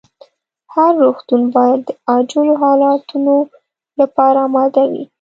هر روغتون باید د عاجلو حالتونو لپاره اماده وي.